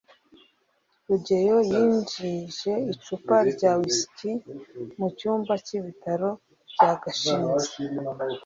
rugeyo yinjije icupa rya whiski mu cyumba cy'ibitaro bya gashinzi